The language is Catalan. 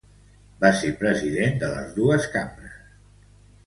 Va ser president de les dos Cambres.